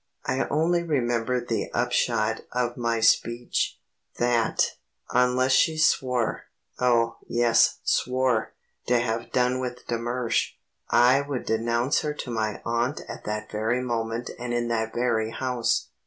I only remember the upshot of my speech; that, unless she swore oh, yes, swore to have done with de Mersch, I would denounce her to my aunt at that very moment and in that very house.